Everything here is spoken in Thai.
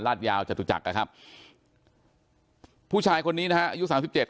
ยาวจตุจักรนะครับผู้ชายคนนี้นะฮะอายุสามสิบเจ็ด